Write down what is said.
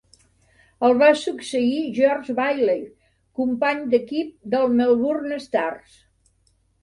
El va succeir George Bailey, company d'equip del Melbourne Stars.